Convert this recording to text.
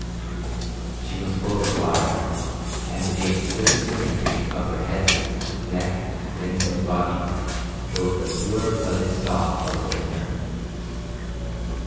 She was full of fire, and the exquisite symmetry of her head, neck, limbs and body, showed the pure blooded stock that was in her.